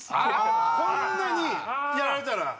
こんなにやられたら。